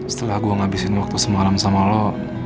setelah gue ngabisin waktu semalam sama lo